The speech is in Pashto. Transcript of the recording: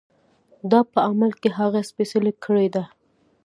دا په عمل کې هغه سپېڅلې کړۍ ده.